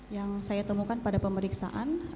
yang saya temukan pada pemeriksaan